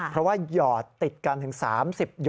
เพราะว่าหยอดติดกันถึง๓๐หอด